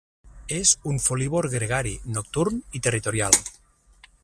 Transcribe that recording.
És un folívor gregari, nocturn i territorial.